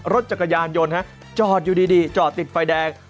รถจักรยานยนต์จอดอยู่ดีจอดติดไฟแดง